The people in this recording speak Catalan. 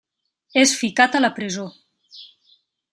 És ficat a la presó.